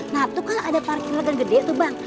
nah itu kan ada parkir legal gede tuh bang